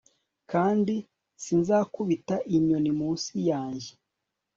kandi sinzakubita inyoni munsi yanjye